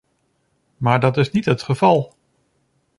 Maar dat is niet het geval!